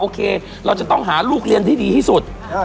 โอเคเราจะต้องหาลูกเรียนที่ดีที่สุด